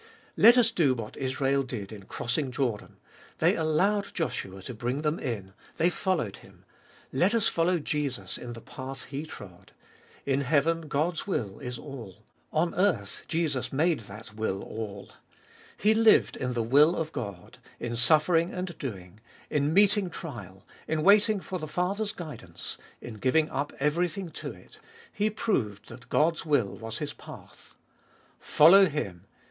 Let us do what Israel did in crossing Jordan ; they allowed Joshua to bring them in ; they followed him. Let us follow Jesus in the path He trod. In heaven God's will is all. On earth Jesus made that will all. He lived in the will of God, in suffering and doing, in meeting trial, in waiting for the Father's guidance ; in giving up everything to it, He proved that God's 150 abe Iboltest of Hit will was His path. Follow Him.